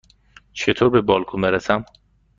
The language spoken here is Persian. چطور به بالکن برسم؟